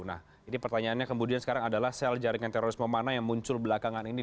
nah ini pertanyaannya kemudian sekarang adalah sel jaringan terorisme mana yang muncul belakangan ini